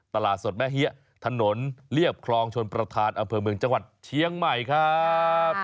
ตลาดสดแม่เฮียถนนเรียบคลองชนประธานอำเภอเมืองจังหวัดเชียงใหม่ครับ